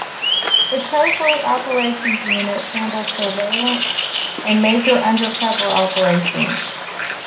The Covert Operations Unit handles surveillance and major undercover operations.